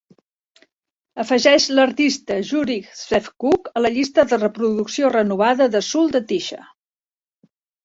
Afegeix l'artista Jurij Szewczuk a la llista de reproducció renovada de soul de Tisha.